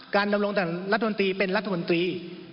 การดำรงต่างรัฐหนุนตรีเป็นรัฐหนุนตรี